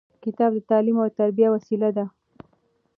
کتاب د تعلیم او تربیې وسیله ده.